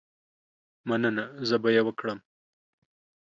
مننه، زه به یې وکړم.